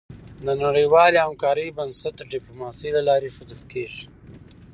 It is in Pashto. د نړیوالې همکارۍ بنسټ د ډيپلوماسی له لارې ایښودل کېږي.